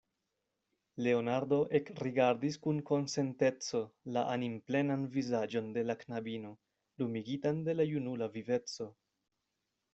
Leonardo ekrigardis kun konsenteco la animplenan vizaĝon de la knabino, lumigitan de junula viveco.